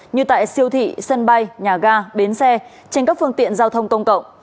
như tại siêu thị sân bay nhà ga bến xe trên các phương tiện giao thông công cộng